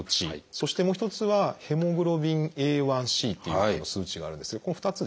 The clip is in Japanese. そしてもう一つは「ＨｂＡ１ｃ」という数値があるんですけどこの２つですね。